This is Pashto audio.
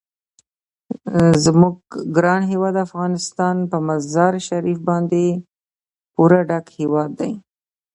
زموږ ګران هیواد افغانستان په مزارشریف باندې پوره ډک هیواد دی.